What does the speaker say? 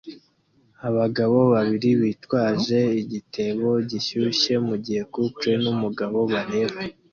Abagabo babiri bitwaje igitebo gishyushye mugihe couple numugabo bareba